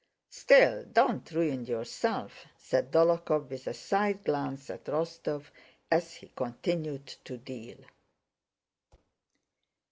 "Still, don't ruin yourself!" said Dólokhov with a side glance at Rostóv as he continued to deal.